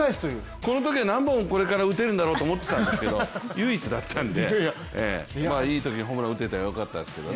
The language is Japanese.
このときは何本これから打てるんだろうと思ってたんだけど唯一だったんで、まあいいときにホームランが打ててよかったですけどね